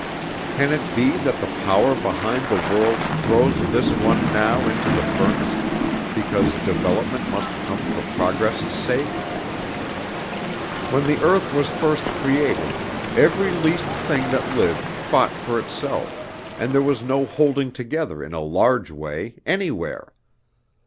Can it be that the Power behind the worlds throws this one now into the furnace because development must come for progress' sake? When the earth was first created, every least thing that lived fought for itself, and there was no holding together in a large way, anywhere.